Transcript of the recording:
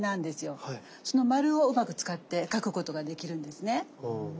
その丸をうまく使って描くことができるんですね。